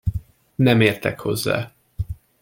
Nem értek hozzá.